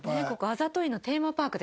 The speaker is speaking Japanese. あざといテーマパーク。